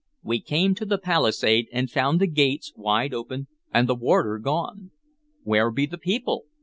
We came to the palisade, and found the gates wide open and the warder gone. "Where be the people?"